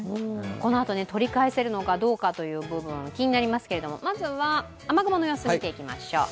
このあと、取り返せるのかどうかという部分気になりますがまずは、雨雲の様子見ていきましょう。